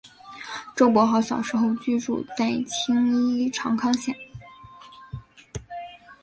周柏豪小时候居住在青衣长康邨。